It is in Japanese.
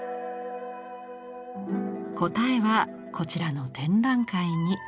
答えはこちらの展覧会に。